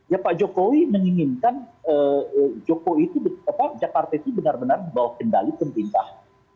ya pak jokowi menginginkan jokowi itu atau jakarta itu benar benar membawa kendali pemerintah